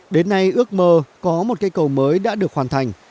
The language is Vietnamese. đến nay ước mơ có một cây cầu mới đã được hoàn thành